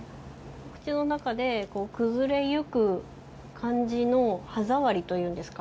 口の中で崩れゆく感じの歯ざわりというんですか。